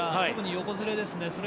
特に横ずれですね。